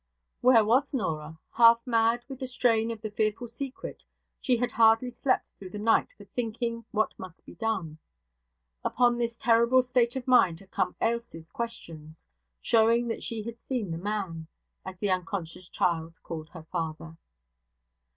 Where was Norah? Half mad with the strain of the fearful secret, she had hardly slept through the night for thinking what must be done. Upon this terrible state of mind had come Ailsie's questions, showing that she had seen the Man, as the unconscious child called her father.